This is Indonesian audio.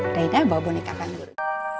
udah udah bawa boneka kan dulu